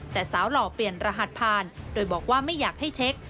แต่สาวหล่อเปลี่ยนรหัสผ่านโดยบอกว่าไม่อยากให้เช็ค